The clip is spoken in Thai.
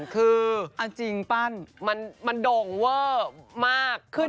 คือมันโด่งเวอร์มาก